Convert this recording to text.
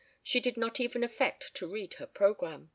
She did not even affect to read her program.